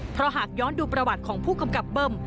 เพราะหากย้อนดูประวัติของผู้กำกับเบิ้ม